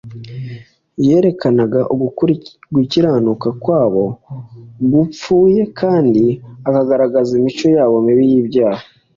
Yerekanaga ugukiranuka kwabo gupfuye, kandi akagaragaza imico yabo mibi y'ibyaha.